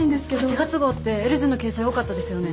８月号ってエルズの掲載多かったですよね。